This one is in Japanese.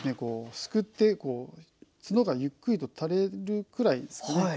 すくってツノがゆっくりと垂れるくらいですかね。